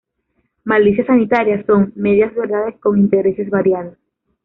Malicia sanitaria son "medias verdades con intereses variados".